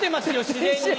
自然に。